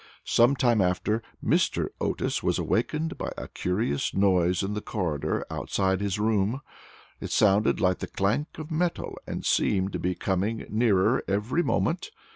Some time after, Mr. Otis was awakened by a curious noise in the corridor, outside his room. It sounded like the clank of metal, and seemed to be coming nearer every moment.